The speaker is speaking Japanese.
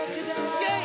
イェイ！